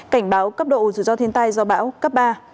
cảnh báo cấp độ dù do thiên tai do bão cấp ba